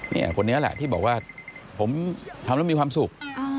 เนี่ยคนนี้แหละที่บอกว่าผมทำแล้วมีความสุข